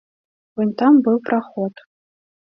Вунь там быў праход.